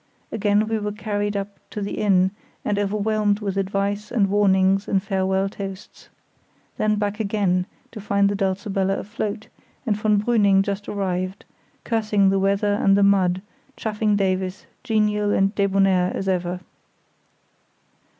Again we were carried up to the inn and overwhelmed with advice, and warnings, and farewell toasts. Then back again to find the Dulcibella afloat, and von Brüning just arrived, cursing the weather and the mud, chaffing Davies, genial and débonnaire as ever.